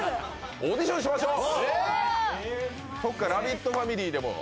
オーディションしましょう！